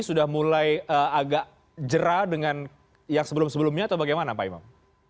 sudah mulai agak jerah dengan yang sebelum sebelumnya atau bagaimana pak imam